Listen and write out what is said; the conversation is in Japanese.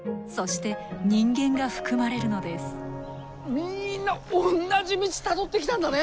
みんなおんなじ道たどってきたんだね。